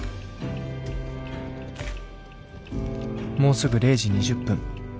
もうすぐ０時２０分。